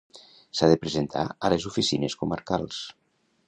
S'ha de presentar a les oficines comarcals.